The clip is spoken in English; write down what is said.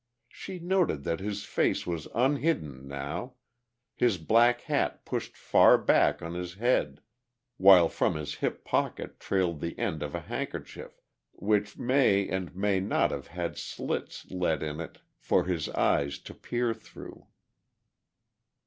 She noted that his face was unhidden now, his black hat pushed far back on his head, while from his hip pocket trailed the end of a handkerchief which may and may not have had slits let in it for his eyes to peer through.